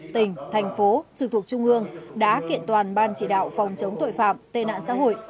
một trăm linh tỉnh thành phố trực thuộc trung ương đã kiện toàn ban chỉ đạo phòng chống tội phạm tê nạn xã hội